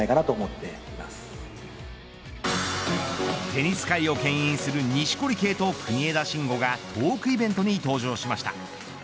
テニス界をけん引する錦織圭と国枝慎吾がトークイベントに登場しました。